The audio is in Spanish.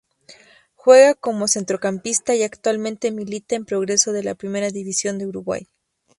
Juega como centrocampista y actualmente milita en Progreso de la Primera División de Uruguay.